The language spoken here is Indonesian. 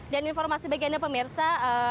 dan informasi bagi anda pemirsa